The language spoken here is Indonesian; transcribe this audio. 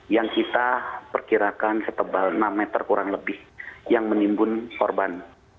yang kita perkirakan setebal enam meter kurang lebih yang menimbun korban